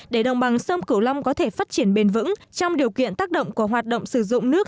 để đồng bằng sông cửu long có thể phát triển bền vững trong điều kiện tác động của hoạt động sử dụng nước